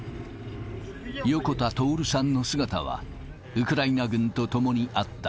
横田徹さんの姿は、ウクライナ軍と共にあった。